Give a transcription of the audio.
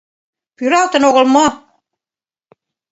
Пӱралтын огыл мо?